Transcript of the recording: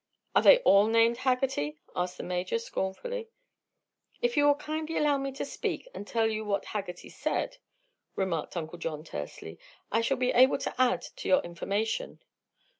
"Are they all named Haggerty?" asked the Major, scornfully. "If you will kindly allow me to speak, and tell you what Haggerty said," remarked Uncle John tersely, "I shall be able to add to your information."